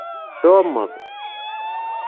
Tɛumeḍ.